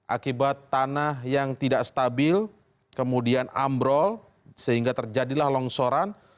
akibat tanah yang tidak stabil kemudian ambrol sehingga terjadilah longsoran